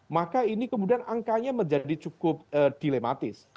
maka ini kemudian angkanya menjadi cukup dilematis